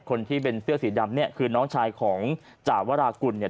คนที่เป็นเสื้อสีดำเนี่ยคือน้องชายของจ่าวรากุลเนี่ย